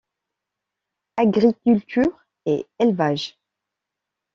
Agriculture et élevage.